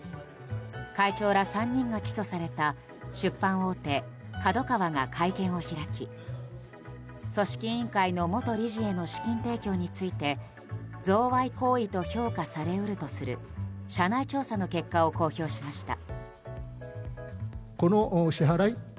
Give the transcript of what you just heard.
会長ら３人が起訴された出版大手ＫＡＤＯＫＡＷＡが会見を開き組織委員会の元理事への資金提供について贈賄行為と評価され得るとする社内調査の結果を公表しました。